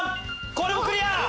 これもクリア！